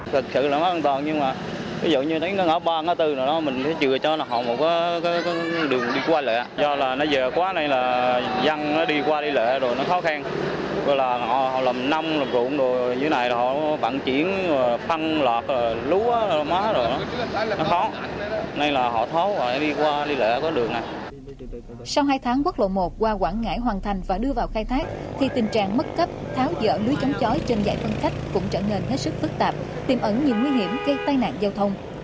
sau hai tháng quốc lộ một qua quảng ngãi hoàn thành và đưa vào khai thác thì tình trạng mất cắp tháo dỡ lưới chống chói trên giải phân cách cũng trở nên hết sức phức tạp tìm ẩn nhiều nguy hiểm gây tai nạn giao thông